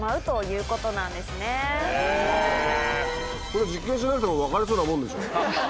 これ実験しなくても分かりそうなもんでしょ。